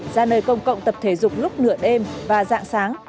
ra nơi công cộng tập thể dục lúc nửa đêm và dạng sáng